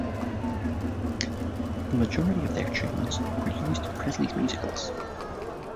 The majority of their tunes were used in Presley's musicals.